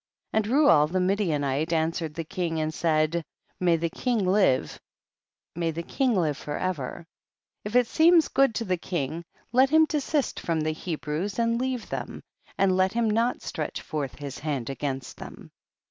26. And Reuel the Midianite an swered the king and said, may the king live, may the king live forever. 27. If It seem good to the king, let him desist from the Hebrews and leave them, and let him not stretch forth his hand against them.